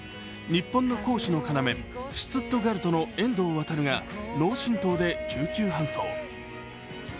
日本の攻守の要シュツットガルトの遠藤航が脳震とうで救急搬送。